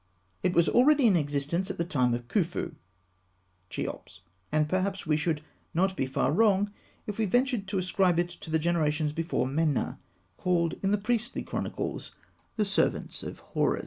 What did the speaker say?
It was already in existence in the time of Khûfû (Cheops), and perhaps we should not be far wrong if we ventured to ascribe it to the generations before Mena, called in the priestly chronicles "the Servants of Horus."